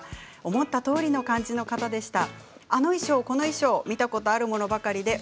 思ったとおりの感じの方でした。